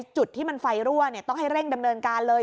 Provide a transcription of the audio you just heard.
จุดที่มันไฟรั่วต้องให้เร่งดำเนินการเลย